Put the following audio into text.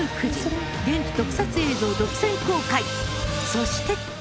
そして。